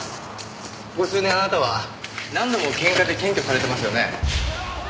ここ数年あなたは何度も喧嘩で検挙されてますよね？